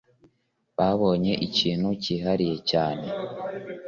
BABONYE IKINTU CYIHARIYE CYANE